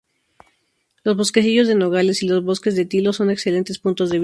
Los bosquecillos de nogales y los bosques de tilos son excelentes puntos de visita.